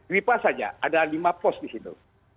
wipa saja ada lima pos disitu